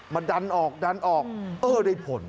มาดันออกได้ผล